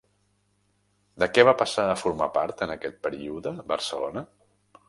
De què va passar a formar part en aquest període Barcelona?